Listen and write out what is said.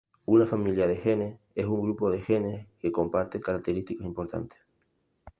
Una familia de genes es un grupo de genes que comparten características importantes.